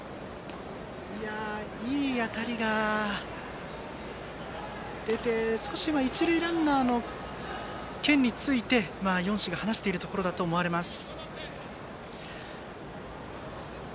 いい当たりが出て少し、一塁ランナーの件について４氏が話しているところだと思われます。